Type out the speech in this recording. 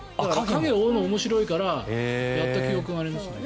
影を追うのが面白いからやった記憶がありますね。